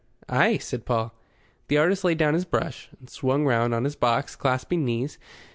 "Ay," said Paul. The artist laid down his brush, and swung round on his box, clasping knees.